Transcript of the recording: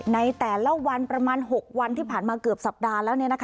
ในแต่ละวันประมาณ๖วันที่ผ่านมาเกือบสัปดาห์แล้ว